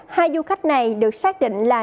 hai du khách này được xác định là